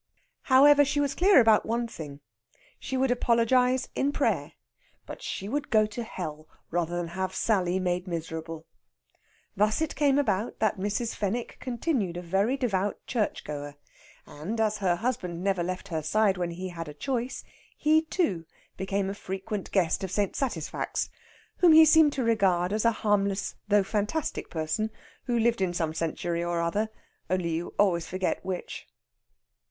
However, she was clear about one thing. She would apologize in prayer; but she would go to hell rather than have Sally made miserable. Thus it came about that Mrs. Fenwick continued a very devout church goer, and, as her husband never left her side when he had a choice, he, too, became a frequent guest of St. Satisfax, whom he seemed to regard as a harmless though fantastic person who lived in some century or other, only you always forgot which.